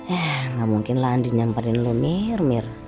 eh gak mungkin lah andi nyamperin lo mir mir